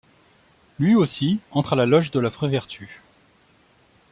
Lui aussi entre à la loge de la Vraie Vertu.